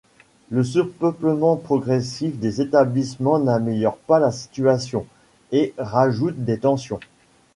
Le surpeuplement progressif des établissements n'améliore pas la situation, et rajoute des tensions.